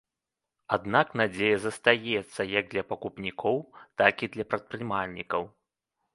Аднак надзея застаецца як для пакупнікоў, так і для прадпрымальнікаў.